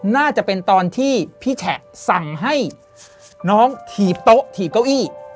น่าจะเป็นตอนที่พี่แฉะสั่งให้น้องถีบโต๊ะถีบเก้าอี้